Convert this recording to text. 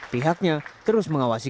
pihaknya terus mengawasi